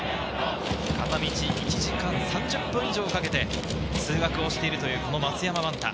片道１時間３０分以上かけて通学をしている増山万太。